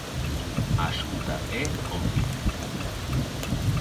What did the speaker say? A Xunta é cómplice.